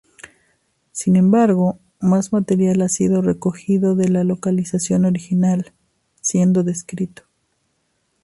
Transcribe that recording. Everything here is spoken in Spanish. Sin embargo, más material ha sido recogido de la localización original, siendo descrito.